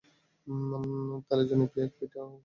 তালের জনপ্রিয় এক পিঠা হলো গোলাপ পিঠা।